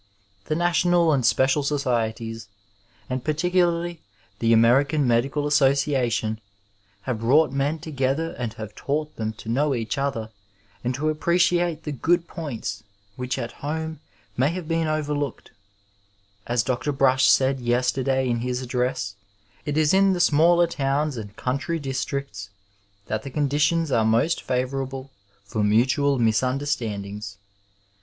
'' The national and special societies, and particularly the American Medical Association, have brought mea together and have taught them to know each other and to appre ciate the good points which at home may have been over 460 Digitized by VjOOQiC UNITY, PEACE, AND OONOORD looked. Ab Pr. Brush said yesteidaj in his addiess, it is in the smaller towns and country districts that the conditions are most favourable for mutual nusunderstandings.